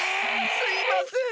すいません。